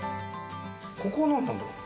ここは何なんだろう？